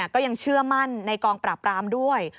ก็ยังเชื่อมั่นในกองปราบรามด้วย